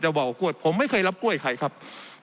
จะว่ากวดผมไม่เคยรับกล้วยใครครับ